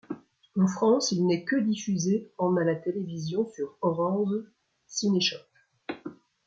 En France, il n'est que diffusé en à la télévision sur Orange Cinéchoc.